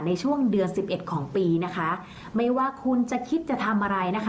ในช่วงเดือนสิบเอ็ดของปีนะคะไม่ว่าคุณจะคิดจะทำอะไรนะคะ